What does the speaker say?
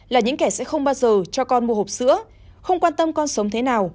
là những kẻ sẽ không bao giờ cho con mua hộp sữa không quan tâm con sống thế nào